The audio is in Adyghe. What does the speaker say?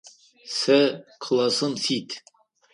Сэ классым сит.